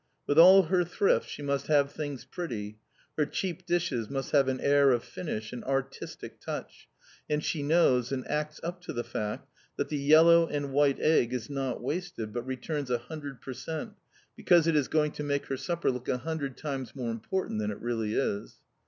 With all her thrift she must have things pretty. Her cheap dishes must have an air of finish, an artistic touch; and she knows, and acts up to the fact, that the yellow and white egg is not wasted, but returns a hundred per cent., because it is going to make her supper look a hundred times more important than it really is.